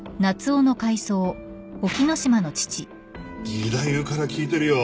義太夫から聞いてるよ